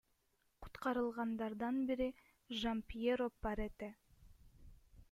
Куткарылгандардын бири Жампьеро Парете.